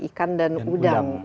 ikan dan udang